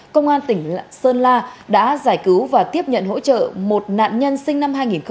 công an tỉnh sơn la đã giải cứu và tiếp nhận hỗ trợ một nạn nhân sinh năm hai nghìn